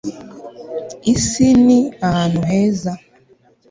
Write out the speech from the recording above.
isi ni ahantu heza